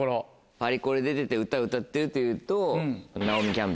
パリコレ出てて歌歌ってるっていうと。